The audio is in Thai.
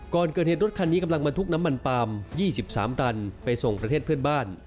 ก่อนเกิดเหตุรถคันนี้กำลังบรรทุกน้ำมันปาล์ม๒๓ตันไปส่งประเทศเพื่อนบ้าน